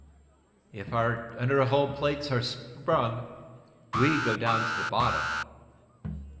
If our underhull plates are sprung, down we go to the bottom!"